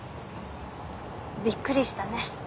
びっくりしたね。